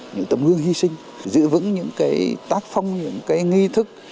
những tấm gương hy sinh giữ vững những cái tác phong những cái nghi thức